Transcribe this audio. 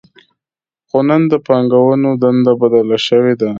خو نن د بانکونو دنده بدله شوې ده